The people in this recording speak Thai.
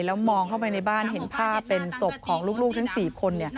แล้วมองเข้าไปในบ้านเห็นภาพเป็นศพของลูกทั้ง๔คน